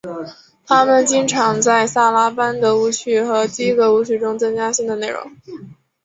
他们经常在萨拉班德舞曲和基格舞曲中增加新的内容。